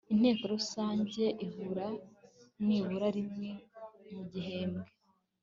inteko rusange ihura nibura rimwe mu gihembwe